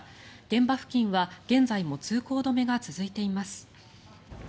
現場付近は現在も通行止めが続いています。